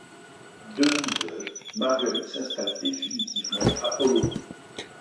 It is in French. Devenue veuve, Marguerite s’installe définitivement à Oloron.